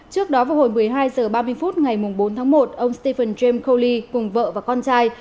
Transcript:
trước đó vào hồi một mươi hai h ba mươi phút ngày bốn tháng một ông stephen james koly cùng vợ và con trai